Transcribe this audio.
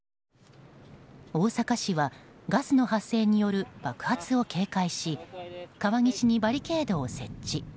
大阪市はガスの発生による爆発を警戒し川岸にバリケードを設置。